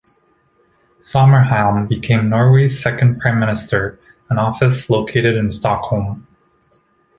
Sommerhielm became Norway's second prime minister, an office located in Stockholm.